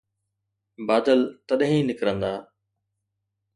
بادل تڏهن ئي نڪرندا.